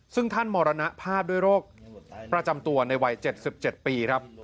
ซึ่งท่านมรณภาพด้วยโรคประจำตัวในวัย๗๗ปีครับ